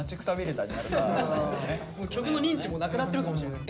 曲の認知もなくなってるかもしれない。